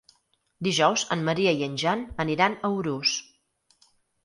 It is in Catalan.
Dijous en Maria i en Jan aniran a Urús.